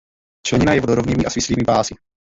Členěna je vodorovnými a svislými pásy.